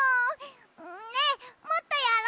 ねえもっとやろ！